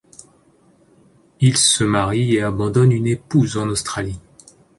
Il se marie et abandonne une épouse en Australie.